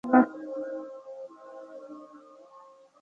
আমার কাছে আর কোনো উপায় ছিল না।